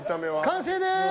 完成です。